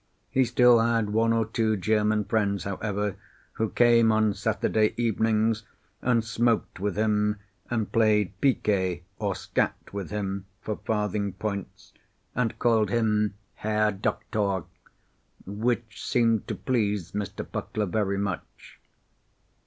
He still had one or two German friends, however, who came on Saturday evenings, and smoked with him and played picquet or "skat" with him for farthing points, and called him "Herr Doctor," which seemed to please Mr. Puckler very much.